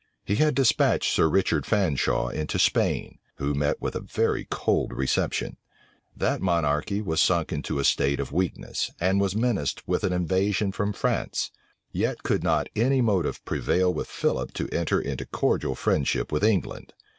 He had despatched Sir Richard Fanshaw into Spain, who met with a very cold reception. That monarchy was sunk into a state of weakness, and was menaced with an invasion from France; yet could not any motive prevail with Philip to enter into cordial friendship with England.